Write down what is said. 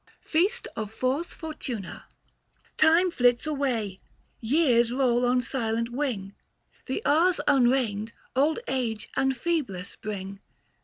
930 FEAST OF FORS FORTUNA. Time flits away, years roll on silent wing, The hours unreined old age and feebless bring.